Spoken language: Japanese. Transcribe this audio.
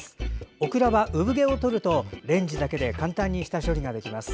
オクラは産毛を取るとレンジだけで簡単に下処理ができます。